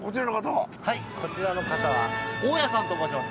こちらの方は大矢さんと申します。